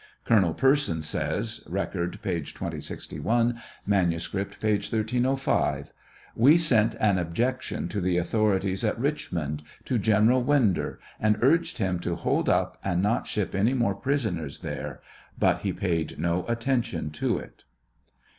Colonel Persons says, (Record, p. i!061; manuscript, p. 1305:) We sent an objection to the authorities at Richmond, to General Winder, and urged him to hold up, and not ship any more prisoners there, but he paid no attention to it.